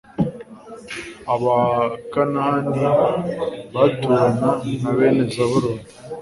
abakanahani baturana na bene zabuloni